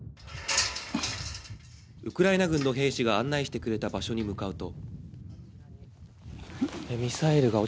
ウクライナ軍の兵士が案内してくれた場所に向かうと。